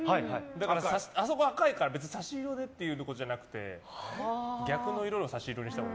だから、あそこが赤いから差し色でっていうことじゃなくて逆の色を差し色にしたほうが。